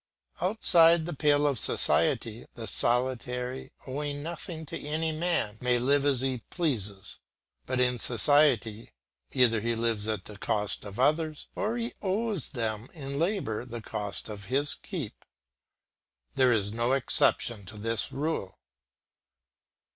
Outside the pale of society, the solitary, owing nothing to any man, may live as he pleases, but in society either he lives at the cost of others, or he owes them in labour the cost of his keep; there is no exception to this rule.